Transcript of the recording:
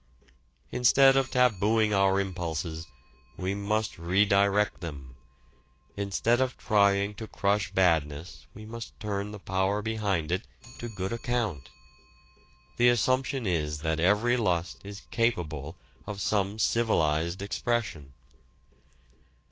Instead of tabooing our impulses, we must redirect them. Instead of trying to crush badness we must turn the power behind it to good account. The assumption is that every lust is capable of some civilized expression.